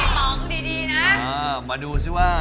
กรุงเทพหมดเลยครับ